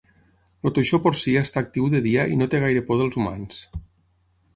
El toixó porcí està actiu de dia i no té gaire por dels humans.